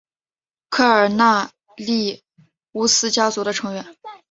科尔内利乌斯家族的成员。